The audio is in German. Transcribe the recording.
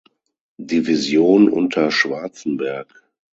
Division unter Schwarzenberg.